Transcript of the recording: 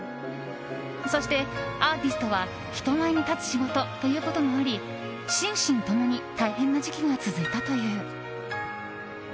そして、アーティストは人前に立つ仕事ということもあり心身共に大変な時期が続いたという。